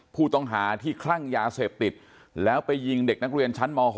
ผู้ต้องหาที่คลั่งยาเสพติดแล้วไปยิงเด็กนักเรียนชั้นม๖